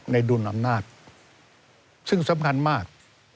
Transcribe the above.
ดุลอำนาจซึ่งสำคัญมาก